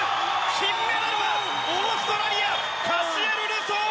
金メダルはオーストラリアカシエル・ルソー！